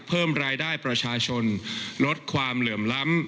เพิ่มรายได้ประชาชนลดความเหลื่อมล้ำ